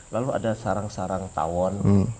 lalu ada sarang sarang tawon